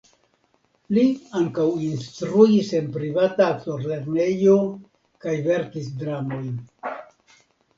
Li ankaŭ instruis en privata aktorlernejo kaj verkis dramojn.